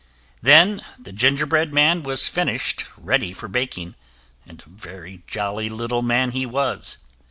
Then the gingerbread man was finished ready for baking, and a very jolly little man he was.